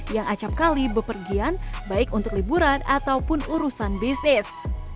yang acapkali bepergian baik untuk liburan ataupun urusan bisnis